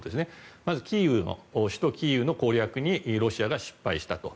まず、首都キーウの攻略にロシアが失敗したと。